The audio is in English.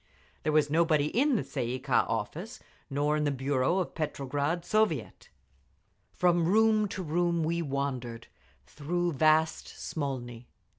There was nobody in the Tsay ee kah office, nor in the bureau of the Petrograd Soviet. From room to room we wandered, through vast Smolny.